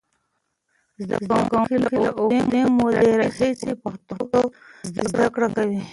زده کوونکي له اوږدې مودې راهیسې په پښتو زده کړه کوي.